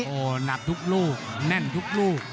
โอ้โหหนักทุกลูกแน่นทุกลูก